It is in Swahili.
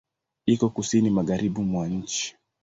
Iko Kusini magharibi mwa nchi.